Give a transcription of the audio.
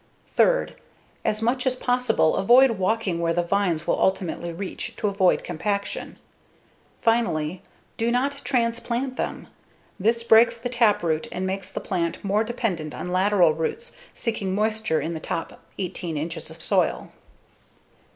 Third, as much as possible, avoid walking where the vines will ultimately reach to avoid compaction. Finally, [i]do not transplant them.[i] This breaks the taproot and makes the plant more dependent on lateral roots seeking moisture in the top 18 inches of soil.